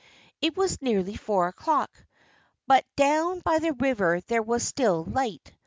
It was nearly four o'clock, but down by the river there was still light.